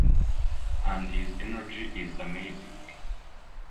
And his energy is amazing.